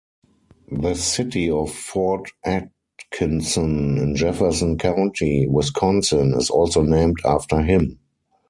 The City of Fort Atkinson in Jefferson County, Wisconsin is also named after him.